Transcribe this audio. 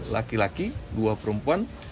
laki laki dua perempuan